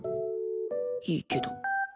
いいけど。